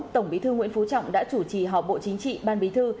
tổng bí thư nguyễn phú trọng đã chủ trì họp bộ chính trị ban bí thư